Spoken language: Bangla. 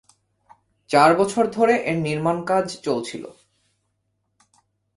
চার বছর ধরে এর নির্মাণ কাজ চলেছিল।